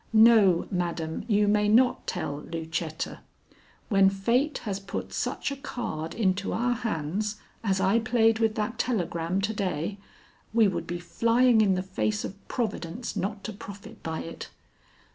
No, madam, you may not tell Lucetta. When Fate has put such a card into our hands as I played with that telegram to day, we would be flying in the face of Providence not to profit by it.